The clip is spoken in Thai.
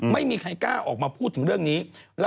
ไม่มีใครกล้าออกมาพูดถึงเรื่องนี้